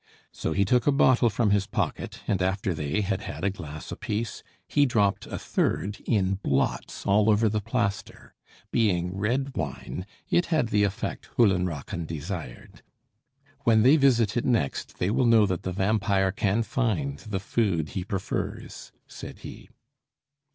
So he took a bottle from his pocket, and after they had had a glass apiece, he dropped a third in blots all over the plaster. Being red wine, it had the effect Höllenrachen desired. "When they visit it next, they will know that the vampire can find the food he prefers," said he.